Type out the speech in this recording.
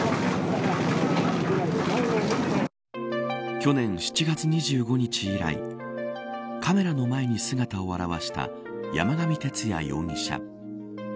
去年７月２５日以来カメラの前に姿を現した山上徹也容疑者。